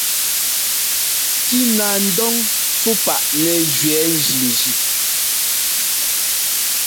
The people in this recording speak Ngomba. Kínaandɔn fú paʼ nɛ́ jʉɛ́ njinji.